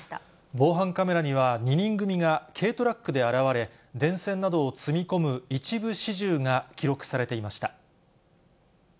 防犯カメラには、２人組が軽トラックで現れ、電線などを積み込む一部始終が記録されていました。